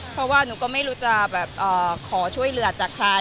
เพราะว่าหนูก็ไม่รู้จะแบบขอช่วยเหลือจากใคร